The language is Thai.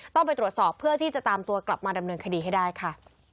ต้องไปตรวจสอบเพื่อที่จะตามตัวกลับมาดำเนินคดีให้ได้ค่ะ